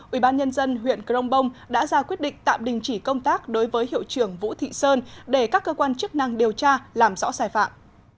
ubnd huyện crong bông đã ra quyết định tạm đình chỉ công tác đối với hiệu trưởng vũ thị sơn để các cơ quan chức năng điều tra làm rõ sai phạm